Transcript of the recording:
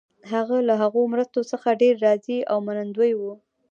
هغه له هغو مرستو څخه ډېر راضي او منندوی وو.